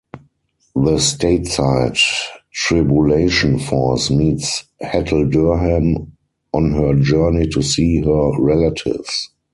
The stateside Tribulation Force meets Hattie Durham on her journey to see her relatives.